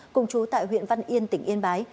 cùng chú tại huyện văn yên tỉnh yên bái